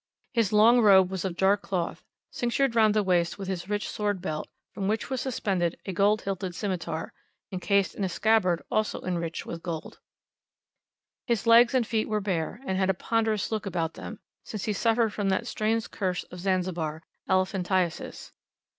His long robe was of dark cloth, cinctured round the waist with his rich sword belt, from which was suspended a gold hilted scimitar, encased in a scabbard also enriched with gold: His legs and feet were bare, and had a ponderous look about them, since he suffered from that strange curse of Zanzibar elephantiasis.